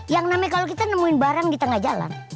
yang namanya kalo kita nemuin barang kita gak jalan